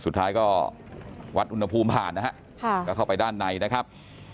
สุดท้ายก็วัดอุณหภูมิผ่านนะฮะก็เข้าไปด้านในนะครับ